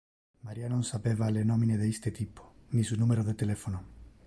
Maria non sapeva le nomine de iste typo, ni su numero de telephono.